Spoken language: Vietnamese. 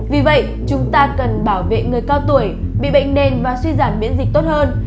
vì vậy chúng ta cần bảo vệ người cao tuổi bị bệnh nền và suy giảm biễn dịch tốt hơn